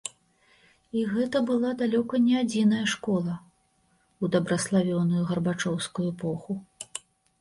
І гэта была далёка не адзіная школа ў дабраславёную гарбачоўскую эпоху.